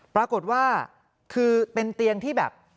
ปรากฏว่าคือเป็นเตียงที่แบบ